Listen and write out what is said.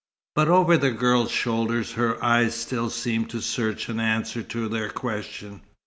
But over the girl's shoulder, her eyes still seemed to search an answer to their question.